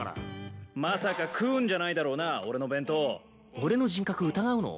俺の人格疑うの？